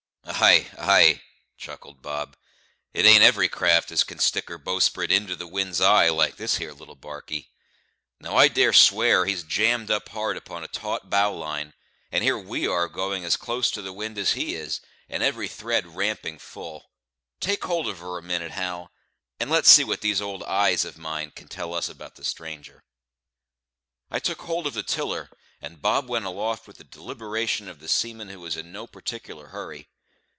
"Ay, ay," chuckled Bob, "it ain't every craft as can stick her bowsprit into the wind's eye like this here little barkie. Now I dare swear he's jammed hard up upon a taut bowline, and here we are going as close to the wind as he is, and every thread ramping full. Take hold of her a minute, Hal, and let's see what these old eyes of mine can tell us about the stranger." I took hold of the tiller, and Bob went aloft with the deliberation of the seaman who is in no particular hurry.